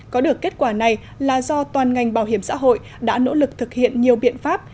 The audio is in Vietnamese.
có được kết quả này là do toàn ngành bảo hiểm xã hội đã nỗ lực thực hiện nhiều biện pháp